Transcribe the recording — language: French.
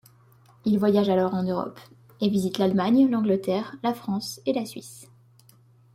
Il voyage alors en Europe et visite l'Allemagne, l'Angleterre, la France et la Suisse.